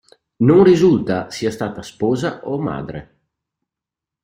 Non risulta sia stata sposa o madre.